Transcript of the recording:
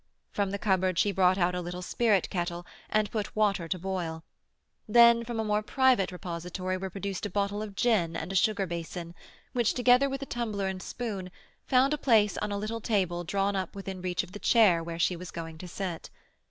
From the cupboard she brought out a little spirit kettle, and put water to boil. Then from a more private repository were produced a bottle of gin and a sugar basin, which, together with a tumbler and spoon, found a place on a little table drawn up within reach of the chair where she was going to sit.